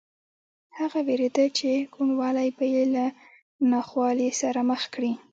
هغه وېرېده چې کوڼوالی به یې له ناخوالې سره مخ کړي